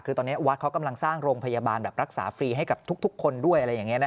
คือตอนนี้วัดเขากำลังสร้างโรงพยาบาลรักษาฟรีให้กับทุกคนด้วย